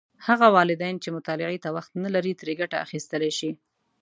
هغه والدین چې مطالعې ته وخت نه لري، ترې ګټه اخیستلی شي.